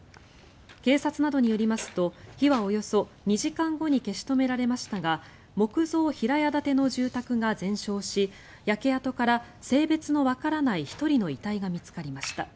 警察などによりますと火はおよそ２時間後に消し止められましたが木造平屋建ての住宅が全焼し焼け跡から性別のわからない１人の遺体が見つかりました。